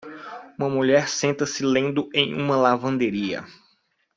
Uma mulher senta-se lendo em uma lavanderia